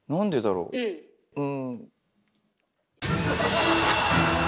うん。